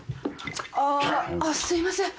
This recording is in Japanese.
ああすいません。